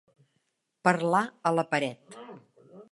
Parlar a la paret.